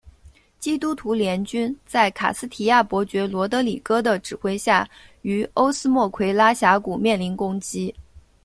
基督徒联军在卡斯提亚伯爵罗德里哥的指挥下于欧斯莫奎拉峡谷面临攻击。